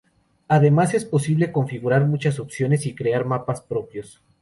Además, es posible configurar muchas opciones y crear mapas propios.